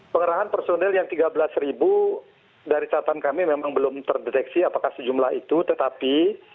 pengerahan personil yang tiga belas ribu dari catatan kami memang belum terdeteksi apakah sejumlah itu tetapi